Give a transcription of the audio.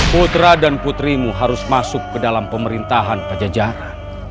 putra dan putrimu harus masuk ke dalam pemerintahan pajajaran